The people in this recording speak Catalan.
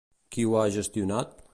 Qui ho ha gestionat?